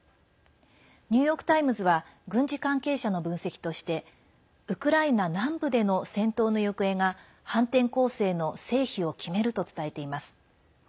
ニューヨーク・タイムズは軍事関係者の分析としてウクライナ南部での戦闘の行方が反転攻勢の成否を決めると伝えています。